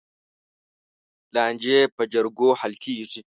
لانجې په جرګو حل کېږي.